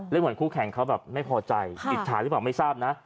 แล้วเหมือนคู่แข่งเขาแบบไม่พอใจอิทธาที่บอกไม่ทราบนะ